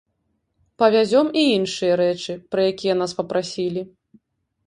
Павязём і іншыя рэчы, пра якія нас папрасілі.